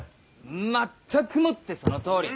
全くもってそのとおり！